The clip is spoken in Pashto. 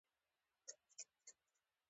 وړانګې په فضا کې انرژي لېږدوي.